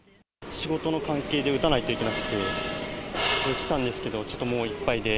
仕事の関係で打たないといけなくて、来たんですけど、ちょっともういっぱいで。